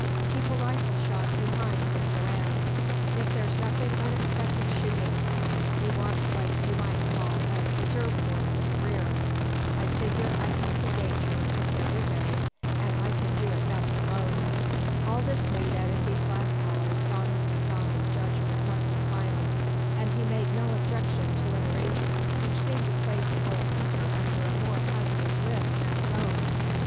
Keep a rifle shot behind with Joanne. If there's unexpected shooting, we want what you might call a reserve force in the rear. I figger I can see danger, if there is any, an' I can do it best alone." Aldous knew that in these last hours Donald MacDonald's judgment must be final, and he made no objection to an arrangement which seemed to place the old hunter under a more hazardous risk than his own.